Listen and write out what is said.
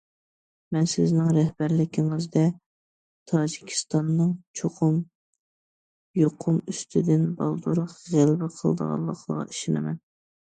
مەن سىزنىڭ رەھبەرلىكىڭىزدە، تاجىكىستاننىڭ چوقۇم يۇقۇم ئۈستىدىن بالدۇر غەلىبە قىلىدىغانلىقىغا ئىشىنىمەن.